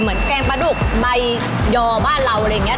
เหมือนแกงปลาดุกใบย่อบ้านเราอะไรอย่างเงี้ย